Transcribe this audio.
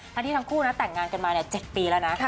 ท่านที่ทั้งคู่น่ะแต่งงานกันมาเนี่ยเจ็บปีแล้วนะค่ะ